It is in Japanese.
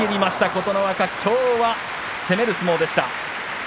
琴ノ若、きょうは攻める相撲でした。